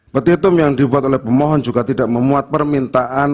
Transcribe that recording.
petitum yang dibuat oleh pemohon juga tidak memuat permintaan